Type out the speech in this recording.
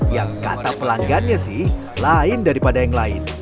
yang kata pelanggannya sih lain daripada yang lain